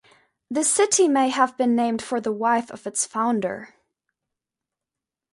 The city may have been named for the wife of its founder.